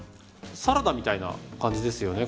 サラダみたいな感じですよね